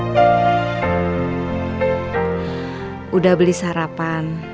sudah beli sarapan